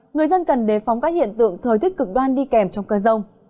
người dân cần đề phóng các hiện tượng thời tiết cực đoan đi kèm trong cơn rông